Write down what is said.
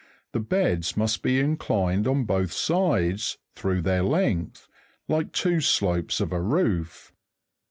255), the beds must be inclined on both sides throiagh their length, like the two slopes of a roof.